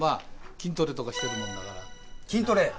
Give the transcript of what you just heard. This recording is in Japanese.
筋トレとかしてるもんだから筋トレ？